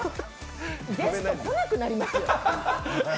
ゲスト、来なくなりますよ。